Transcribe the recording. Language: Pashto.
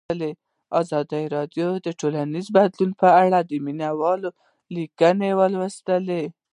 ازادي راډیو د ټولنیز بدلون په اړه د مینه والو لیکونه لوستي.